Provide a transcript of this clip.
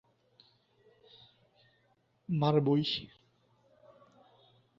তিনিই সেই ব্যক্তি যিনি একজনের ভাগ্য এবং জীবনের নিয়ন্ত্রণ করতে সক্ষম।